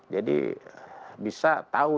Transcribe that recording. jadi bisa tahu